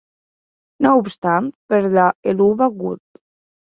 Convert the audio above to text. No obstant, per a Heluva Good!